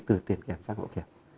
từ tiền kiểm sang hộ kiểm